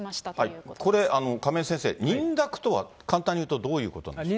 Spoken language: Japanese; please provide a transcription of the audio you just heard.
これ、亀井先生、認諾とは簡単に言うとどういうことですか。